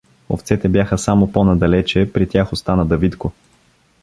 Овцете бяха само по-надалече, при тях остана Давидко.